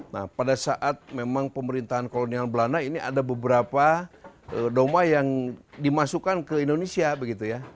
nah pada saat memang pemerintahan kolonial belanda ini ada beberapa doma yang dimasukkan ke indonesia begitu ya